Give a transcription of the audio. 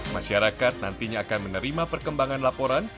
masyarakat nantinya akan menerima perkembangan laporan